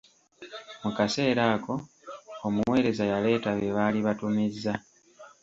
Mu kaseera ako, omuweereza yaleeta bye baali batumizza.